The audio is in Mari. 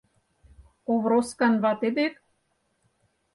— Овроскан вате дек?